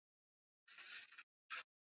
Viumbe wale walio hai hawana tatizo.